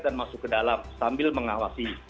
dan masuk ke dalam sambil mengawasi